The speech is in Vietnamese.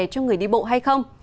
cho người đi bộ hay không